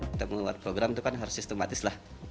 kita membuat program itu kan harus sistematis lah